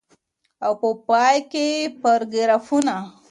او په پای کي پاراګرافونه.